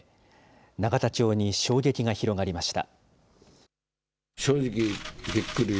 永田町に衝撃が広がりました。